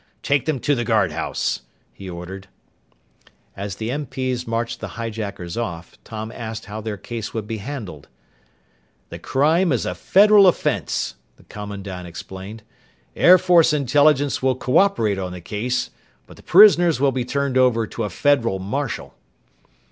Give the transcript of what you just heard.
Take them to the guardhouse," he ordered. As the MP's marched the hijackers off, Tom asked how their case would be handled. "The crime is a federal offense," the commandant explained. "Air Force Intelligence will co operate on the case, but the prisoners will be turned over to a federal marshal."